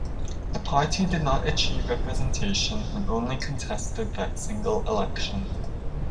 The party did not achieve representation and only contested that single election.